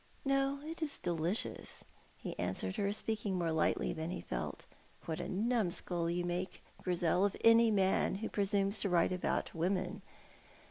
"No, it is delicious," he answered her, speaking more lightly than he felt. "What a numskull you make, Grizel, of any man who presumes to write about women!